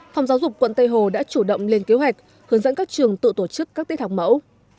phòng giáo dục quận tây hồ đã chủ động lên kế hoạch hướng dẫn các trường tự tổ chức các tiết học mẫu